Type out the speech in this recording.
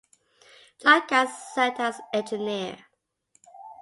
Jon Gass served as engineer.